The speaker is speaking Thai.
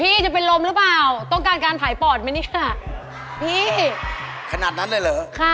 พี่จะเป็นลมหรือเปล่าต้องการการถ่ายปอดไหมนี่ค่ะพี่ขนาดนั้นได้เหรอ